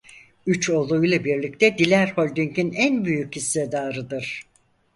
Üç oğluyla birlikte Diler Holding'in en büyük hissedarıdır.